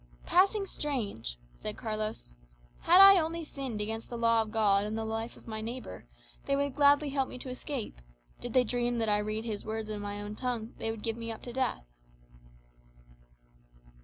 "Passing strange," said Carlos. "Had I only sinned against the law of God and the life of my neighbour, they would gladly help me to escape; did they dream that I read his words in my own tongue, they would give me up to death."